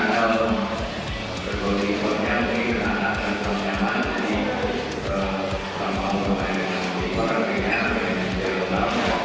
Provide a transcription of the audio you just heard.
jadi kalau memain di peringkat jadi akan menang